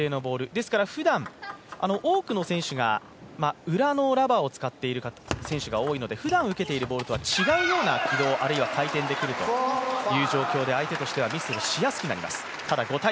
ですから、ふだん多くの選手が裏のラバーを使っている選手が多いのでふだん受けているボールとは違う回転、軌道でくるので、相手としてはミスをしやすくなります。